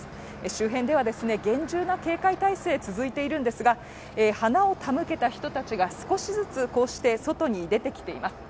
周辺では厳重な警戒態勢続いているんですが花を手向けた人たちが少しずつこうして外に出てきています。